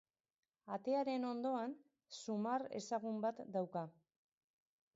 Atearen ondoan, zumar ezagun bat dauka.